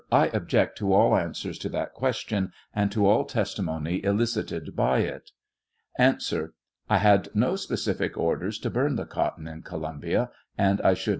I object to all answers to that ques tion, and to all testimony elicited by it. A. I had no specific orders to burn the cotton in Co 32 lumbia, and I should.